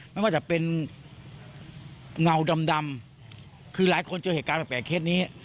ไม่ว่าจะเป็นเงาดำคือหลายคนเจอเหตุการณ์แปลกเคสนี้